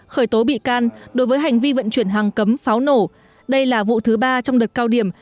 khởi tố bị can đối với hành vi vận chuyển hàng cấm pháo nổ đây là vụ thứ ba trong đợt cao điểm